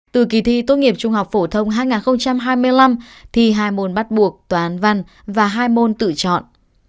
từ kỳ thi tốt nghiệp trung học phổ thông hai nghìn hai mươi năm thi hai môn bắt buộc toán văn và hai môn tự chọn